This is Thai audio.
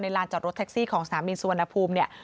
ลานจอดรถแท็กซี่ของสนามบินสุวรรณภูมิเนี่ย